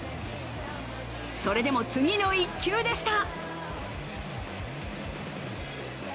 それでも次の１球でした。